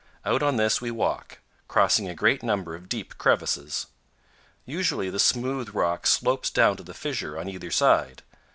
Out on this we walk, crossing a great number of deep crevices. Usually the smooth rock slopes down to the fissure on either side.